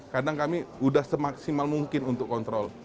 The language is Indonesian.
kadang kami sudah semaksimal mungkin untuk kontrol